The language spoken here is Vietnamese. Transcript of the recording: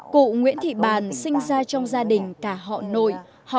cụ nguyễn thị bàn sinh ra trong gia đình cả họ nội họ ngoại đều hát quán họ